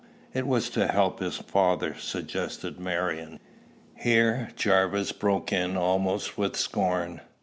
"It was to help his father," suggested Marion. Here Jarvis broke in almost with scorn.